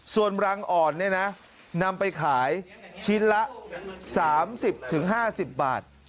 ส่วนรังอ่อนเนี่ยนะนำไปขายชิ้นละ๓๐๕๐บาท